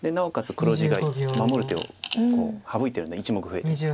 黒地が守る手を省いてるので１目増えてると。